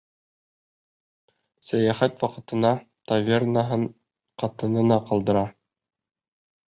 Сәйәхәт ваҡытына тавернаһын ҡатынына ҡалдыра.